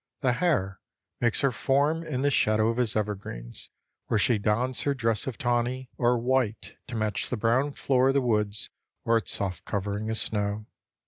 The hare makes her form in the shadow of his evergreens, where she dons her dress of tawny or white to match the brown floor of the woods or its soft covering of snow.